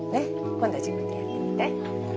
今度は自分でやってみて。